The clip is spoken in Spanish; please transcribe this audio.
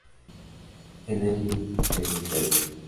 Energy Ltd.